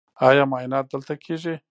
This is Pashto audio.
ایا معاینات دلته کیږي؟